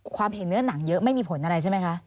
เห็นเนื้อหนังเยอะไม่มีผลอะไรใช่ไหมคะ